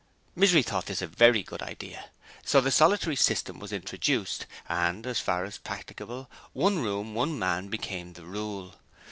Misery thought this a very good idea, so the solitary system was introduced, and as far as practicable, one room, one man became the rule.